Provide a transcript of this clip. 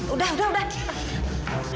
udah udah udah